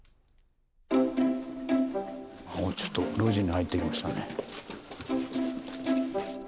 ちょっと路地に入ってきましたね。